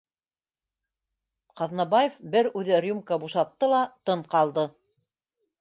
Ҡаҙнабаев бер үҙе рюмка бушатты ла тын ҡалды